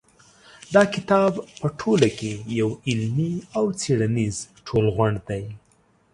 دا کتاب په ټوله کې یو علمي او څېړنیز ټولغونډ دی.